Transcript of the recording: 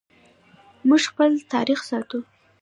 موږ خپل تاریخ ساتو